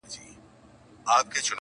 زه قاتل سوم زه د غلو سپه سالار سوم.!